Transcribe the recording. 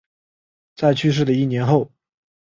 在去世的一年后